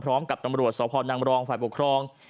พร้อมกับตำรวจสพนังรองฝ่ายปกครอง